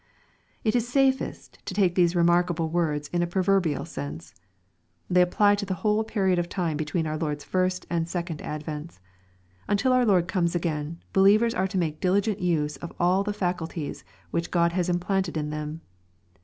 It is safest to take these remarkable words in a pro verbial sense. They apply to the whole period of time between our Lord's first and second advents. Until our Lord comes again, believers are to make a diligent use of all the faculties which God has implanted in them.